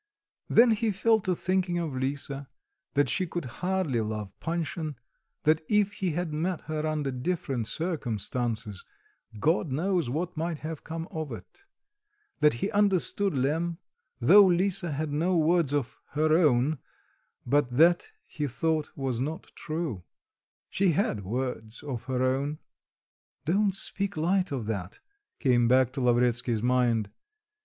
Then he fell to thinking of Lisa, that she could hardly love Panshin, that if he had met her under different circumstances God knows what might have come of it; that he understood Lemm, though Lisa had no words of "her own;" but that, he thought, was not true; she had words of her own. "Don't speak light of that," came back to Lavretsky's mind.